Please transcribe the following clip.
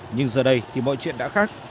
nhưng giờ đây thì mọi chuyện đã khác